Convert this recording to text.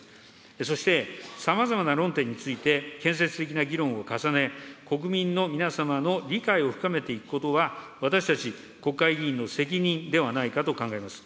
そしてさまざまな論点について、建設的な議論を重ね、国民の皆様の理解を深めていくことは、私たち国会議員の責任ではないかと考えます。